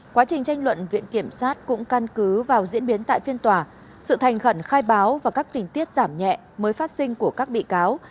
quá trình tranh luận viện kiểm sát cũng căn cứ vào diễn biến tại phiên tòa sự thành khẩn khai báo và các tình tiết giảm nhẹ mới phát sinh của các bị cáo